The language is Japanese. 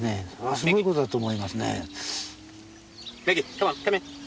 すごいことだと思いますね。